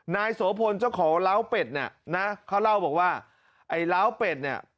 นายโสพลเจ้าของล้าวเป็ดเนี่ยนะเขาเล่าบอกว่าไอ้ล้าวเป็ดเนี่ย